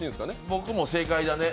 僕も正解だね。